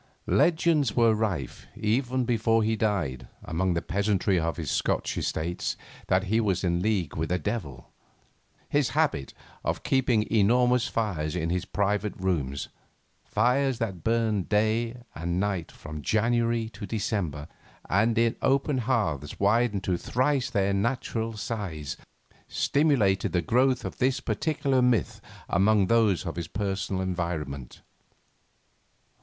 Legends were rife, even before he died, among the peasantry of his Scotch estates, that he was in league with the devil. His habit of keeping enormous fires in his private rooms, fires that burned day and night from January to December, and in open hearths widened to thrice their natural size, stimulated the growth of this particular myth among those of his personal environment.